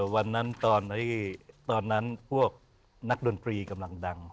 วันนั้นตอนนั้นพวกนักดนตรีกำลังดัง